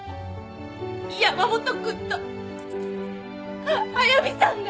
山本君と速見さんが。